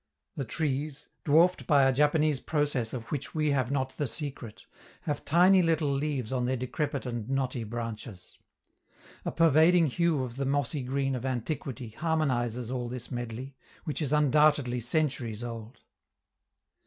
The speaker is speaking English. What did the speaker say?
The trees, dwarfed by a Japanese process of which we have not the secret, have tiny little leaves on their decrepit and knotty branches. A pervading hue of the mossy green of antiquity harmonizes all this medley, which is undoubtedly centuries old.